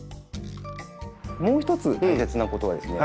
もう一つ大切なことはですね